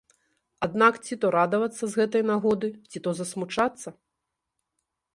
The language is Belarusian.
Аднак ці то радавацца з гэтай нагоды, ці то засмучацца?